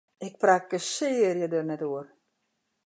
Ik prakkesearje der net oer!